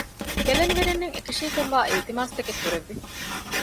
ބެލެނިވެރިންނަށް އެކަށީގެންވާ އިލްތިމާސްތަކެއް ކުރެއްވި